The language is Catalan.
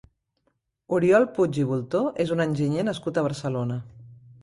Oriol Puig i Bultó és un enginyer nascut a Barcelona.